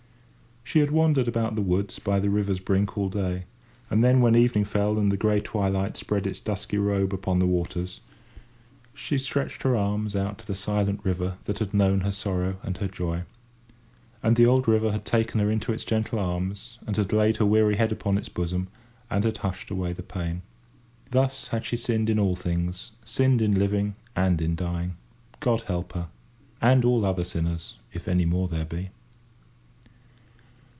She had wandered about the woods by the river's brink all day, and then, when evening fell and the grey twilight spread its dusky robe upon the waters, she stretched her arms out to the silent river that had known her sorrow and her joy. And the old river had taken her into its gentle arms, and had laid her weary head upon its bosom, and had hushed away the pain. Thus had she sinned in all things—sinned in living and in dying. God help her! and all other sinners, if any more there be.